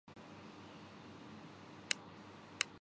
نظریات بھی یہی ہوں۔